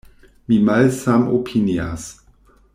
Mi malsamopinias.